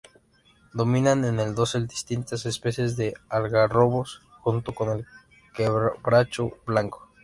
Dominan en el dosel distintas especies de algarrobos junto con el quebracho blanco.